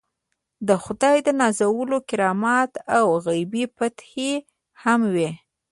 د خدای د نازولو کرامات او غیبي فتحې هم وي.